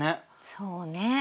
そうね。